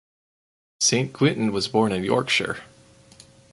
St Quinton was born in Yorkshire.